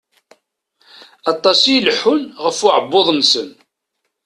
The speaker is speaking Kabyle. Aṭas i ileḥḥun ɣef uεebbuḍ-nsen.